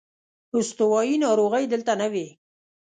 استوايي ناروغۍ دلته نه وې.